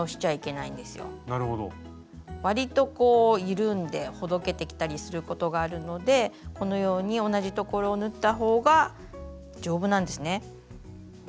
わりとこう緩んでほどけてきたりすることがあるのでこのように同じところを縫ったほうが丈夫なんですね。